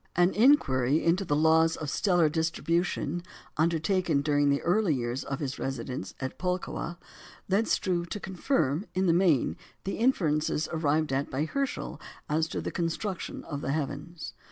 An inquiry into the laws of stellar distribution, undertaken during the early years of his residence at Pulkowa, led Struve to confirm in the main the inferences arrived at by Herschel as to the construction of the heavens.